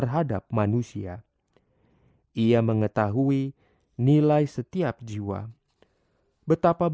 sampai jumpa di video selanjutnya